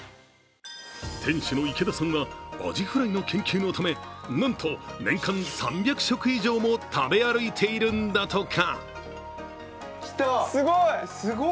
店主の池田さんはアジフライの研究のためなんと年間３００食以上も食べ歩いているんだとか。